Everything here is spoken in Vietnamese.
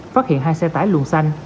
phát hiện hai xe tải luồng xanh